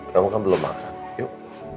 kamu kan belum makan yuk